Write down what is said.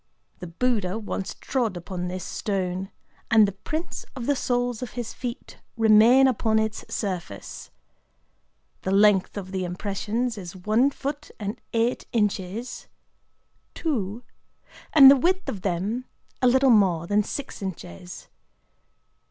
The Buddha once trod upon this stone; and the prints of the soles of his feet remain upon its surface. The length of the impressions is one foot and eight inches, and the width of them a little more than six inches.